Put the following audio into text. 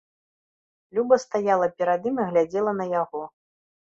Люба стаяла перад ім і глядзела на яго.